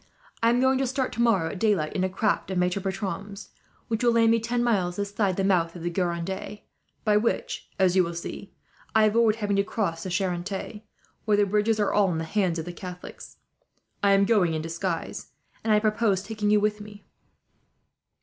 I am going to start tomorrow at daylight, in a craft of Maitre Bertram's, which will land me ten miles this side the mouth of the Gironde; by which, as you will see, I avoid having to cross the Charente, where the bridges are all in the hands of the Catholics. I am going in disguise, and I propose taking you with me."